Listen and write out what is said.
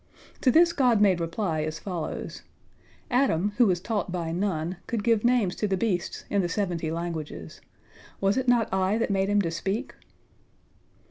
" To this God made reply, as follows: "Adam, who was taught by none, could give names to the beasts in the seventy languages. Was it not I that made him to speak?"